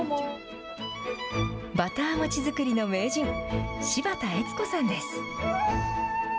バター餅作りの名人、柴田悦子さんです。